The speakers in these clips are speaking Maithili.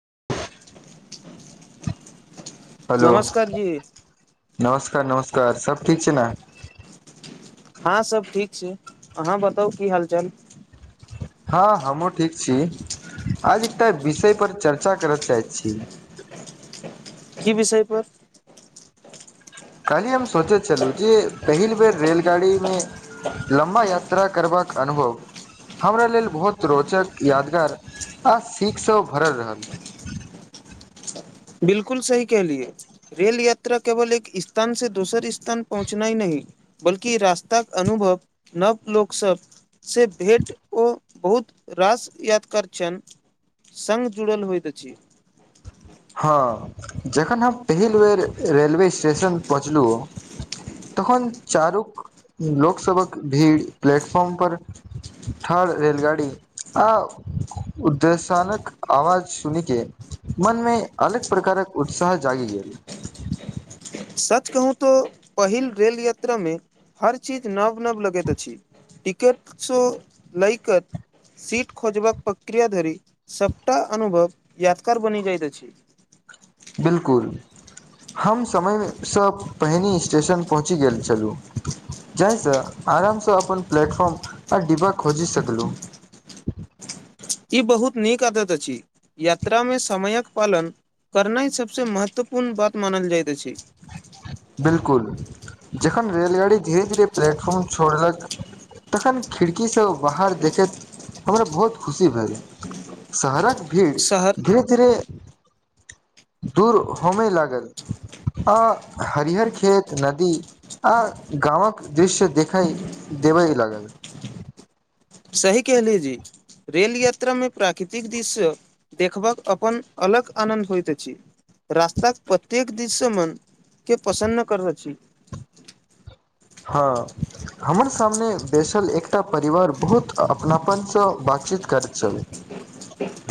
[inaudible] हेलो नमस्कार जी नमस्कार नमस्कार सब ठीक छै ने हँ सब ठीक छै अहाँ बताउ की हालचाल हँ हमहुँ ठीक छी आज एकटा विषय पर चर्चा करय चाहैत छी [inaudible] की विषयपर कहली हम सोचैत छलहु जे पहिल बेर रेलगाड़ी मे लम्बा यात्रा करबाक अनुभव हमरा लेल बहुत रोचक यादगार आ सीख सँ भरल रहल बिलकुल सही कहलियए रेल यात्रा केवल एक स्थान से दोसर स्थान पहुँचनाइ नहि बल्कि रास्तक अनुभव नव लोक सभ से भेट ओ बहुत रास यादगार क्षण सङ्ग जुड़ल होइत अछि हँ जखन हम पहिल बेर रेलवे स्टेशन पहुँचलहुँ तखन चारूक लोकसभक भीड़ प्लेटफॉर्म पर ठार रेलगाड़ी आ उदेशानक आवाज सुनि के मनमे अलग प्रकारक उत्साह जागि गेल सच कहू तो पहिल रेल यात्रा मे हर चीज नव नव लगैत अछि टिकटसोलैकत सीट खोजबाक प्रक्रिया धरि सबटा अनुभव यादगार बनि जाइत अछि बिलकुल हम समय सँ पहिने स्टेशन पहुँचि गेल छलहुँ जाहिसँ आरामसँ अपन प्लेटफॉर्म आ डिब्बा खोजी सकलहु [inaudible] ई बहुत नीक आदत अछि यात्रामे समयक पालन करनाय सबसँ महत्वपूर्ण बात मानल जाय बिलकुल जखन रेलगाड़ी धीरे धीरे प्लेटफार्म छोड़लक तखन खिड़कीसँ बाहर देखैत हमरा बहुत खुशी भेल शहरक भीड़ शहर धीरे धीरे दूर होमेय लागल आ हरिहर खेत नदी आ गामक दृश्य देखै देबै लागल सही कह ली जी रेल यात्रामे प्राकृतिक दृश्य देखबाक अपन अलग आनन्द होइत अछि रास्ताक प्रत्येक दिस मन के पसन्न कर छी हँ हमर सामने बैसल एकटा परिवार बहुत अपनापन सँ बातचीत करैत छलै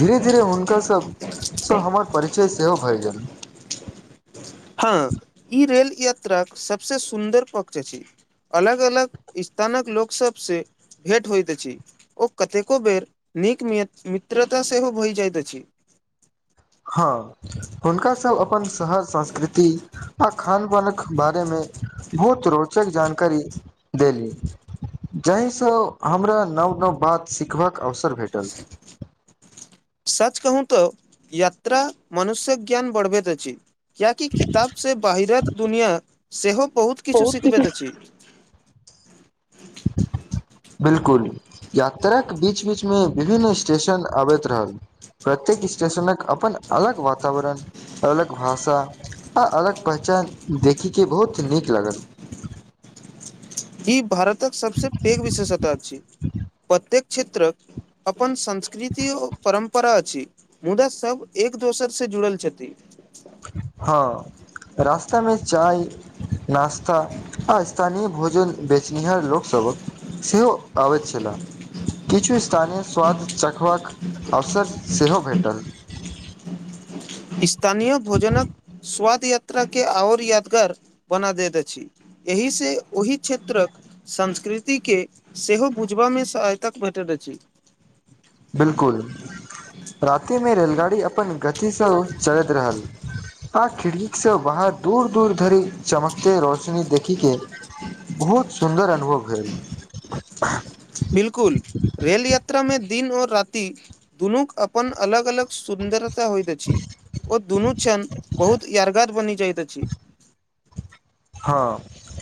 धीरे धीरे हुनकासभ सँ हमर परिचय सेहो भए गेल [inaudible] हँ ई रेल यात्राक सभसँ सुन्दर पक्ष अछि अलग अलग स्थानक लोक सबसँ भेट होइत अछि ओ कतेको बेर नीक मित्रता सेहो भहि जाइत अछि [inaudible] हँ हुनका सब अपन शहर संस्कृति आ खान पानक बारेमे बहुत रोचक जानकारी देली जाहिसँ हमरा नव नव बात सीखबाक अवसर भेटल सच कहू तऽ यात्रा मनुष्यक ज्ञान बढ़बैत अछि कियाकि किताबसँ बाहिरत दुनिआँ सेहो बहुत किछु सिखबैत अछि [inaudible] बिलकुल यात्राक बीच बीचमे विभिन्न स्टेशन आबैत रहल प्रत्येक स्टेशनक अपन अलग वातावरण अलग भाषा आ अलग पहचान देखि के बहुत नीक लागल ई भारतक सबसे पेघ विशेषता छी प्रत्येक क्षेत्रक अपन संस्कृति आर परम्परा अछि मुदा सभ एक एक दोसर से जुड़ल छथि हँ रास्ता मे चाय नास्ता आ स्थानी भोजन बेचनिहार लोकसबक सेहो आबै छला किछु स्थानीय स्वाद चखबाक अवसर सेहो भेटल स्थानीय भोजनक स्वाद यात्रा के आओर यादगार बना दैत अछि एहि से ओहि क्षेत्रक संस्कृति के सेहो बुझबा मे सहायतक भेटल रह अछि बिलकुल राति मे रेलगाड़ी अपन गति सँ चलैत रहल आ खिड़की सँ बाहर दूर दूर धरि चमकते रौशनी देखिके बहुत सुन्दर अनुभव भेल बिलकुल रेल यात्रा मे दिन आऔर राति दुनू अपन अलग अलग शून्य सुंदरता होइत अछि ओ दुनू क्षण बहुत यादगार बनि जाइत अछि [inaudible] हँ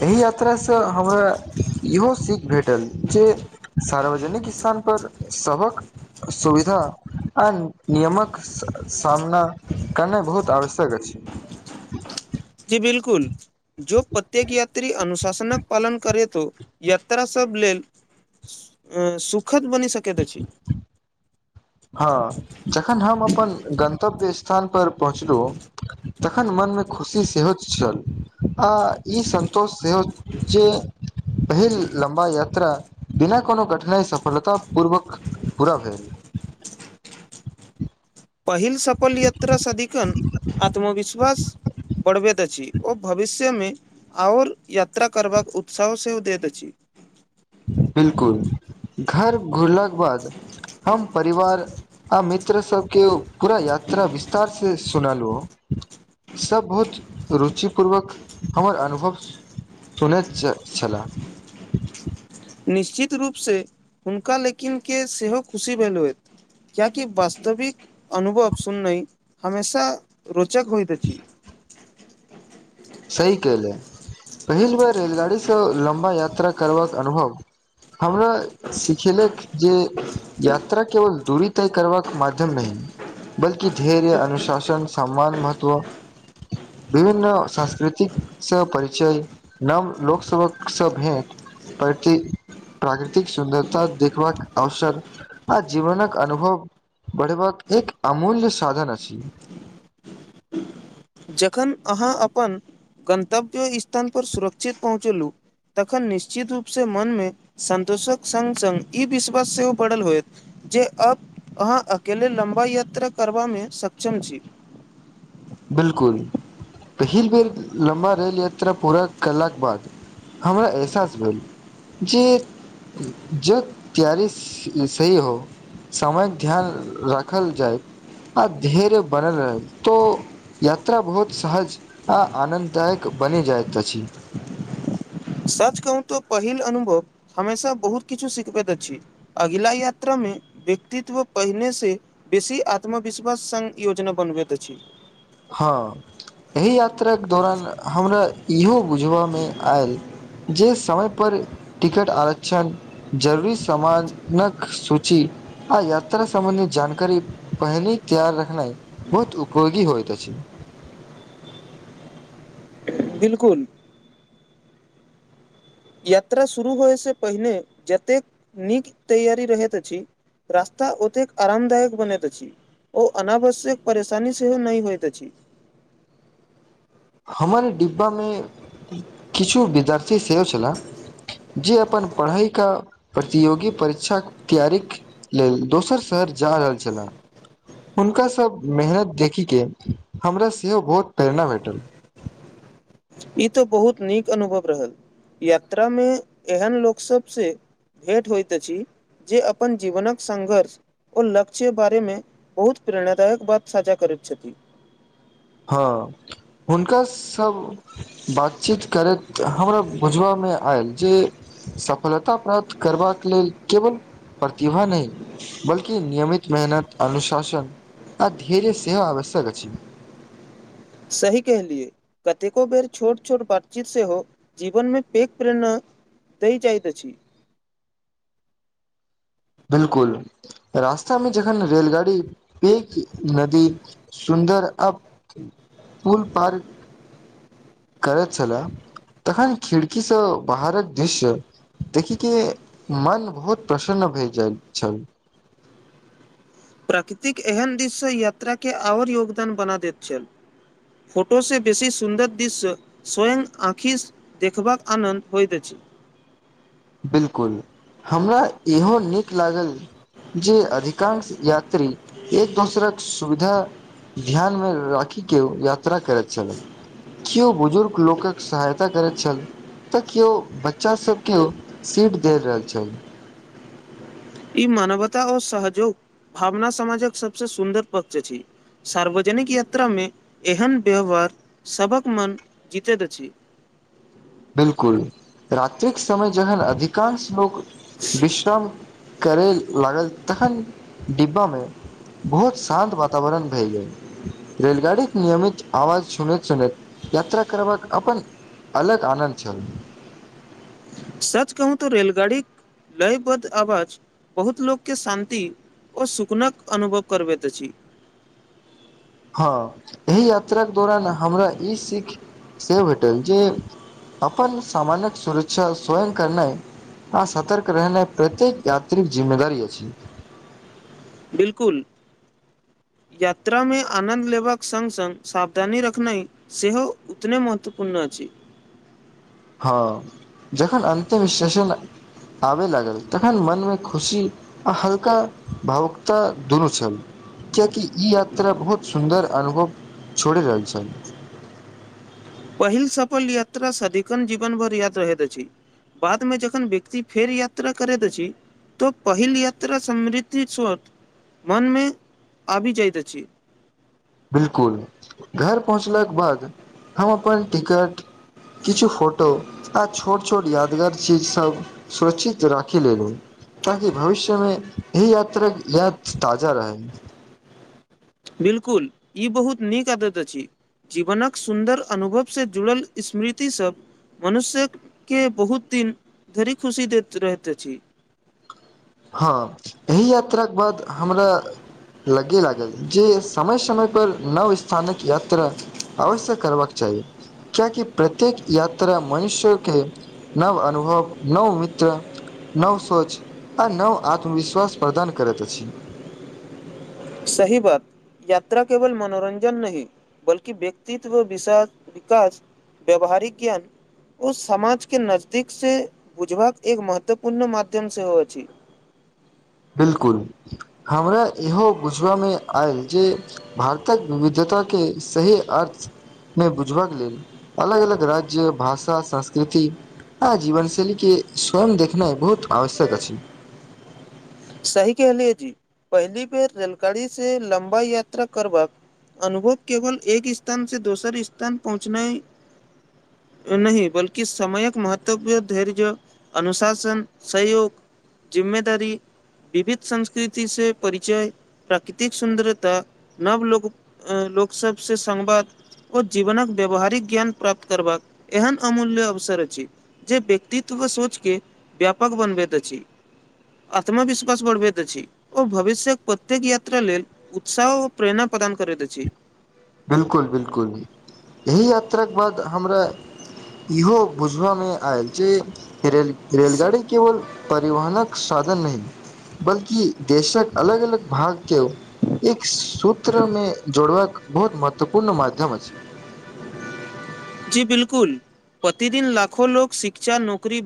एहि यात्रासँ हमरा इहो सीख भेटल जे सार्वजनिक स्थान पर सबक सुविधा आ नियमक सामना करना बहुत आवश्यक अछि [inaudible] जी बिलकुल जो प्रत्येक यात्री अनुशासनकक पालन करे त यात्रा सब लेल अ सुखद बनी सकेत अछि हँ जखन हम अपन गन्तव्य स्थान पर पहुँचलहुँ तखन मनमे खुशी सेहो छल आ ई सन्तोष सेहो जे पहिल लम्बा यात्रा बिना कोनो कठिनाइ सफलतापूर्वक पूरा भेल पहिल सफल यात्रा सदिखन आत्मविश्वास बढ़बैत अछि ओ भविष्यमे आओर यात्रा करबाक उत्साह सेहो दैत अछि बिलकुल घर घुरलाक के बाद हम परिवार आ मित्र सबके पूरा या यात्रा विस्तार सँ सुुनालु सभ बहुत रुचिपूर्वक हमर अनुभव सुनैत छलला निश्चित रूपसँ हुनका लेकनके सेहो खुशी भेल क्यकि वास्तविक अनुभव सुन नहि हमेशा रोच चक होइत अछी सही कयल पहिल बेर रेलगाड़ीसँ लम्बा यात्रा करबाक अनुभव हमरा सिखेलक जे यात्रा केवल दूरी तय करबाक माध्यम नहि बल्कि धैर्य अनुशासन सम्मान महत्व विभिन्न संस् संस्कृति सँ परिचय नव लोकसभकसँ भेट प्रति प्राकृतिक सुन्दरता देखबाक अवसर आ जीवनक अनुभव बढ़ेबाक एक अमूल्य साधन अछि जखन अहाँ अपन गन्तव्य स्थानपर सुरक्षित पहुँचेलहुँ तखन निश्चित रूपसँ मनमे सन्तोषक सङ्ग सङ्ग ई विश्वास सेहो बढ़ल होयत जे अब अहाँ अकेले लम्बा यात्रा करबामे सक्षम छी बिलकुल पहिल बेर लम्बा रेेल यात्रा पूरा कलाक बाद हमरा एहसास भेल जे ज त्यारी सही हो समयक ध्यान राखल जाइ आ धैर्य बनेल रह तो यात्रा बहुत सहज आ आनन्ददायक बनि जाइत अछि सच कहू तो पहिल अनुभव हमेशा बहुत किछु सिखबैत अछि अगिला यात्रामे मे व्यक्तित्व पहिनेसँ बेसी आत्मविश्वास सङ् योजना बनबैत अछि हँ एहि यात्राके दौरान हमरा इहो बुझबा मे आयल जे समयपर टिकट आरक्षण जरूरी सामानक सूची आ याात्रा समबन्धी जानकारी पहिल त्यार रखनेइ बहुत उपयोगी होइ अछि बिलकुल यात्रा शुरू होइसँ पहिने जतेक नीक तैयारी रहैत अछि रास्ता ओतेक आरामदायक बनेैत छी ओ अनावश्यक परेशानी सेहो नहि होइत अछि [inaudible] हमरे डिब्बामे किछु विद्यार्थी सेहो छलह जे अपन पढ़ाइ का प्रतियोगी परीक्षा तैयारीक लेल दोसर शहर जा रहल छले हुनकास सभ मेहनत देखिक के हमरा सेहो बहुत प्रेरणा भेटल ई तऽ बहुत नीक अनुभव रहल यात्रा मे एहन लोक सब से भेट होइत छी जे अपन जीवनक संघर्ष और लक्ष्य बारे में बहुत प्रेरणादायक बात साझा करे त अछि [inaudible] हँ हुनकास सब बातचीत करैत हमरा बुझबामे मे आयल जे सफलता प्राप्त करबाक लेल केवल प्रतिभा नहि बल्कि नियमित मेहनत अनुशासन आ धर्य सेहो आवश्यक अछि छै सही कहलिए कतेको बेर छोट छोट बातचीत से हो जीवन मे पेक प्रेरणा दइ जाइत अछि बिलकुल रास्तामे जखन रेलगाड़ी प नदी सुन सुन्दर आ पूल पार करैत छलए तखन खिड़कीसँ बाहरक दृश्य देखी के मन बहुत प्रसन्न भए जाइत छल प्राकृतिक एहन दिशसँ यात्राके आओर योगदान बना दैत छल फोटोसँ बेसी सुन्दर दृश्य स्वयं आँखि देखबाक आनन्द होइत अछि बिलकुल हमरा इहो नीक लागल जे अधिकांश यात्री एक दोसरक सुविधा ध्यानमे राखि के यात्रा करैत छलै केओ बुजुर्ग लोकक सहायता करैत छल तऽ केओ बच्चा सभकेओ सीट देल रहल छल ई मानवता और सहयोग भावना समाजक सबस सुन्दर पक्ष छी सार्वजनिक यात्रामे एहन व्यवहार सभक मन जीतैत अछि [inaudible] बिलकुल रात्रिक समय जहन अधिकांश लोक विश्राम करय लागल तहन डिब्बामे बहुत शान्त वातावरण भए गय रेलगाड़ी के नियमित आवाज सुनेैत सुनैत यात्रा करबाक अपन अलग आनन्द छल सच कहू तऽ रेलगाड़ी लयबद्ध आवाज बहुत लोकोग के शान्ति ओ सुकनक अनुभव करबैत अछि [inaudible] हँ एहि यात्राके दौरान हमरा ई सीख से भेटल जे अपन सामान क सुरक्षा स्वयं करनाइ आ सतर्क रहने प्रत्येक यात्रिक जिम्मेदार अछि बिलकुल [inaudible] यात्रामे आनन्द लेबाक सङ्ग सङ्ग सावधानी रखनाइ सेहो उतने महत्वपूर्ण अछि अछि हँ जखन अन्त विशेषण आबय लागल तखन मनमे खुशी आ हल्का भावुकता दुनू छल कियाकि ई यात्रा बहुत सुन्दर अनुभव छोड़ि रहल छल पहिल सफल यात्रा सदिखन जीवनभर याद रहैत अछि बादमे जखन व्यक्ति फेर यात्रा करैत अछि तो पहिल यात्रा समृद्धि सर मनमे आबि जाइत अछि बिलकुल घर पहुँचलाक बाद हम अपन टिकट किछु फोटो त छोट छट छोट यादगार चीज सब सुरक्षित राखि लेलु ताकि भविष्यमे यदी यात्रा के याद ताजा रहै बिलकुल ई बहुत नीक आदत अछि जीवनक सुन्दर अनुभव से जुड़ल स्मृतिसभ मनुष्य के बहुत दिन धरि खुशी दैत रहैत अछि हँ एहिह यात्राके बाद हमरा लगे लागल जे समय समय पर नव स्थानक यात्रा अवश्य करबाक चाही कियाकि प्रत्येक यात्रा मनुष्य के नव अनु नव अनुभव नव मित्र नव सोच आ नव आत्मविश्वास प्रदान करैत अछि सही बात यात्रा केवल मनोरञ्जन नहि बल्कि व्यक्तित्व विषय विकास व्यवहारिक ज्ञान ओ समाज के नजदीक से बुझबाक एक महत्वपूर्ण माध्यम सेहो अछि [inaudible] बिलकुल हमरा इहो बुझबामे आयल जे भारतक विविधता ता के सही अर्थ मे बुझबाक लेल अलग अलग राज्य भाषा संस्कृति हँ जीवनशैली के स्वयं देखने बहुत आवश्यक अछी सही कहलियए जी पहली बेर रेलगाड़ी से लम्बा यात्रा करबाक अनुभव केवल एक स्थान से दोसर स्थान पहुँचने [inaudible] नहि बलिकी समयक महत्व धैर्य अनुशासन सहयोग जिममेदारी विविध संस्कृति से परिचय प्राकृतिक सुन्दरता नव लोक लोक सभ से संवाद ओ जीवनक व्यावहारिक ज्ञान प्राप्त करबाक एहन अमूल्य अवसर सर अछि जे व्यक्तित्व व सोच के व्यापक बनबैत अछि आत्मविश्वास बढ़बैत अछि और भविष्य्यक प्रत्येक यात्रा लेल उत्साह ओ प्रेरणा प्रदान करैत अछि अछि बिलकुल बिलकुल यही यात्राके बाद हमरा इहो बुझबामे आयल जे रेल रेलगाड़ी केवल परिवहनक साधन नहि बल्कि देशक अलग अलग भागके एक सूत्रमे जोड़बाक बहुत महत्वपूर्ण माध्यम अछि जी बिलकुल प्रतिदिन लाखो लोक शिक्षा नौकरी